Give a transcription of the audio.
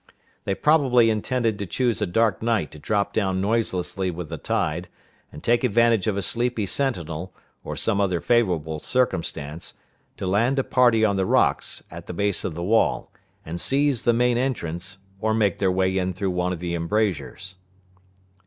They probably intended to choose a dark night to drop down noiselessly with the tide, and take advantage of a sleepy sentinel, or some other favorable circumstance, to land a party on the rocks at the base of the wall, and seize the main entrance, or make their way in through one of the embrasures.